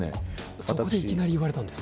そこでいきなり言われたんですか？